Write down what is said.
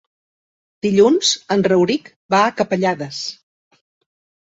Dilluns en Rauric va a Capellades.